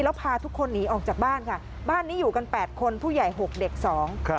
แล้วพาทุกคนหนีออกจากบ้านค่ะบ้านนี้อยู่กัน๘คนผู้ใหญ่๖เด็ก๒